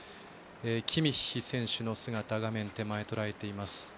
キミッヒ選手の姿を画面でとらえています。